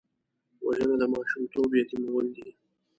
وژنه د ماشومتوب یتیمول دي